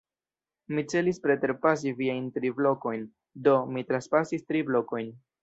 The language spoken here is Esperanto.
Mi celis preterpasi viajn tri blokojn; do, mi trapasis tri blokojn.